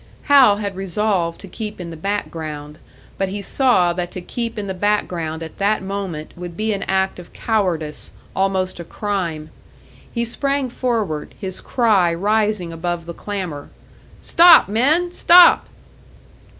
Hal had resolved to keep in the back ground, but he saw that to keep in the back ground at that moment would be an act of cowardice, almost a crime. He sprang forward, his cry rising above the clamour. "Stop, men! Stop!"